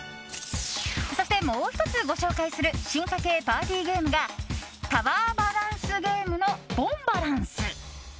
そして、もう１つご紹介する進化形パーティーゲームがタワーバランスゲームのボンバランス。